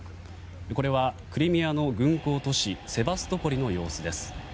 これはクリミアの軍港都市セバストポリの様子です。